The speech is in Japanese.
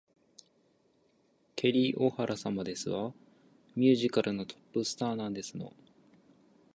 ケリー・オハラ様ですわ。ミュージカルのトップスターなんですの